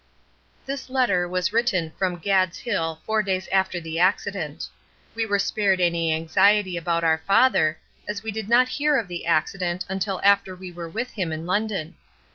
This letter was written from "Gad's Hill" four days after the accident. We were spared any anxiety about our father, as we did not hear of the accident until after we were with him in London.